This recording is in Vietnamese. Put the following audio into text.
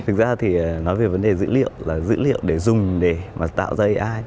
thực ra thì nói về vấn đề dữ liệu là dữ liệu để dùng để mà tạo ra ai